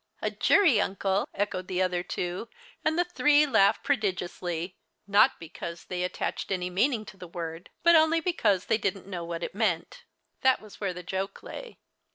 " A jury uncle !" echoed the other two, and the three laughed prodigiously, not because they attached any meaning to the word, but only because they didn't know what it meant. That was where the joke lay.